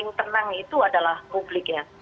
yang paling menyenangkan itu adalah publik ya